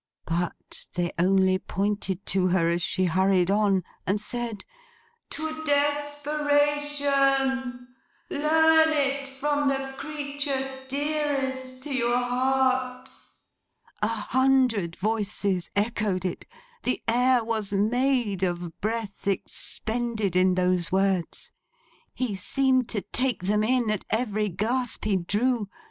But they only pointed to her, as she hurried on; and said, 'To desperation! Learn it from the creature dearest to your heart!' A hundred voices echoed it. The air was made of breath expended in those words. He seemed to take them in, at every gasp he drew.